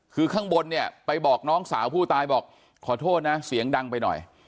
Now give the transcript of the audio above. คือข้างบนเนี่ยไปบอกน้องสาวผู้ตายบอกขอโทษนะเสียงดังไปหน่อย